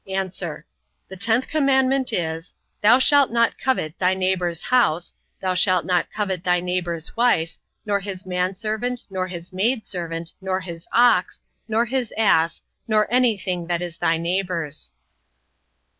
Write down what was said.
A. The tenth commandment is, Thou shalt not covet thy neighbour's house, thou shalt not covet thy neighbor's wife, nor his manservant, nor his maidservant, nor his ox, nor his ass, nor anything that is thy neighbour's.